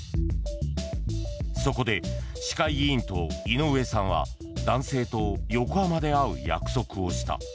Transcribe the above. そこで市会議員といのうえさんは男性と横浜で会う約束をした。